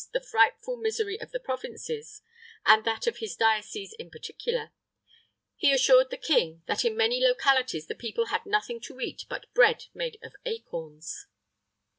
the frightful misery of the provinces, and that of his diocese in particular, he assured the king that in many localities the people had nothing to eat but bread made of acorns.